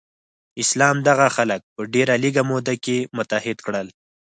اسلام دغه خلک په ډیره لږه موده کې متحد کړل.